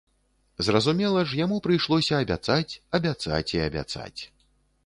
Зразумела ж, яму прыйшлося абяцаць, абяцаць і абяцаць.